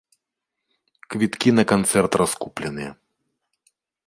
Квіткі на канцэрт раскупленыя.